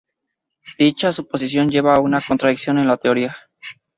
Dicha suposición lleva a una contradicción en la teoría.